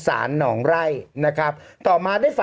โอเคโอเคโอเคโอเคโอเค